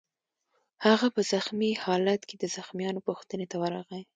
هغه په زخمي خالت کې د زخمیانو پوښتنې ته ورغی